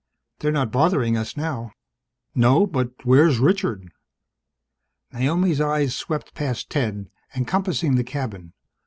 They're not bothering us now." "No. But where's Richard?" Naomi's eyes swept past Ted, encompassing the cabin.